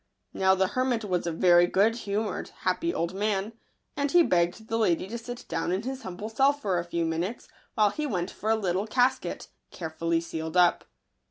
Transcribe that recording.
Now the hermit was a very good humoured, happy old man ; and he begged the lady to sit down in his humble cell for a few minutes, while he went for a little casket, carefully sealed up.